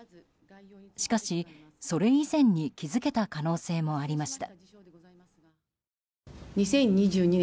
しかし、それ以前に気づけた可能性もありました。